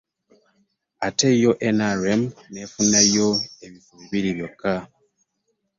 Ate yo NRM n'efunayo ebifo bbiri byokka.